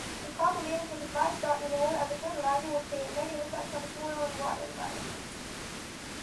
Improper management of livestock manure as a fertilizer would create negative effects on the soil and water environment.